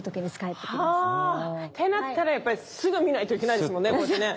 ってなったらやっぱりすぐ見ないといけないですもんね。